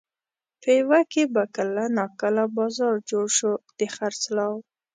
پېوه کې به کله ناکله بازار جوړ شو د خرڅلاو.